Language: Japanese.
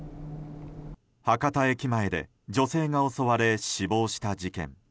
博多駅前で女性が襲われ死亡した事件。